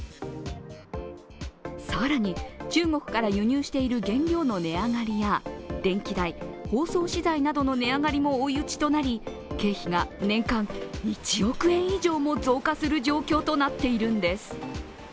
更に、中国から輸入している原料の値上がりや、電気代、包装資材などの値上がりも追い打ちとなり経費が年間１億円以上も増加する状況となっているんです。